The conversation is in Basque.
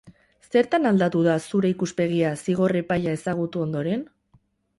Zertan aldatu da zure ikuspegia zigor epaia ezagutu ondoren?